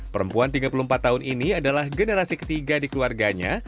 perempuan tiga puluh empat tahun ini adalah generasi ketiga di keluarganya